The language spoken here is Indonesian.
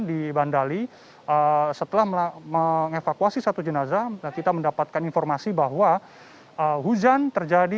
di bandali setelah mengevakuasi satu jenazah kita mendapatkan informasi bahwa hujan terjadi